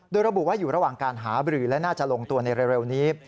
โดยระบุว่าอยู่ระหว่างการหาบรือและน่าจะลงตัวในเร็วนี้